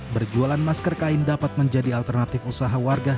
berjualan masker kain dapat menjadi alternatif usaha warga